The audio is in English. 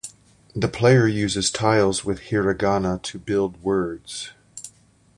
The player uses tiles with hiragana to build words.